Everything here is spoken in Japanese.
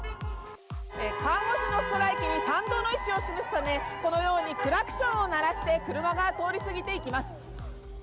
看護師のストライキに賛同の意思を示すためこのようにクラクションを鳴らして車が通りすぎていきます。